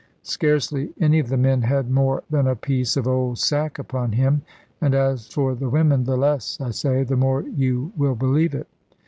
Scarcely any of the men had more than a piece of old sack upon him; and as for the women, the less I say, the more you will believe it.